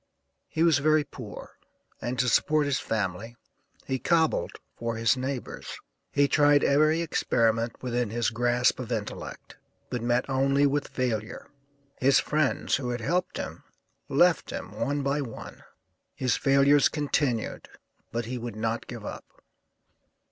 He was very poor, and to support his family he 'cobbled' for his neighbors. He tried every experiment within his grasp of intellect, but met only with failure. His friends, who had helped him, left him one by one; his failures continued, but he would not give up.